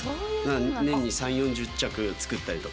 年に３、４０着作ったりとか。